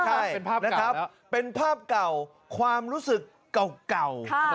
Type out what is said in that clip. ใช่เป็นภาพเก่าความรู้สึกเก่า